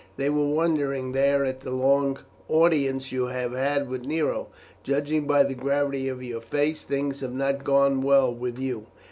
"They were wondering there at the long audience you have had with Nero. Judging by the gravity of your face, things have not gone well with you."